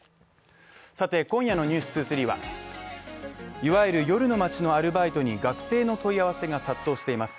今夜の「ｎｅｗｓ２３」はいわゆる夜の街のアルバイトに学生の問い合わせが殺到しています。